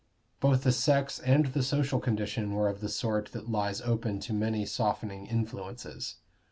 Both the sex and the social condition were of the sort that lies open to many softening influences.